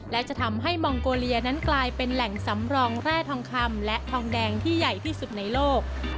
และจะทำให้มองโกเลียนั้นกลายเป็นแหล่งสำรองแร่ทองคำและทองแดงที่ใหญ่ที่สุดในโลก